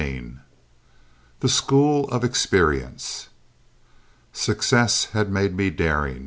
CHAPTER IX THE SCHOOL OF EXPERIENCE Success had made me daring.